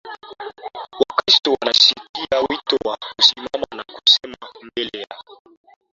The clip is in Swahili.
Wakristo wanajisikia wito wa kusimama na kusema mbele ya